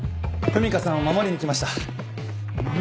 文香さんを守りに来ました。